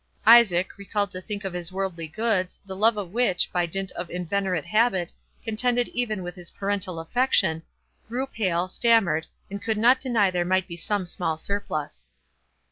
Isaac, recalled to think of his worldly goods, the love of which, by dint of inveterate habit, contended even with his parental affection, grew pale, stammered, and could not deny there might be some small surplus.